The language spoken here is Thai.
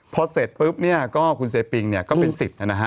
พอเสร็จปุ๊บเนี่ยก็คุณเซปิงเนี่ยก็เป็นสิทธิ์นะฮะ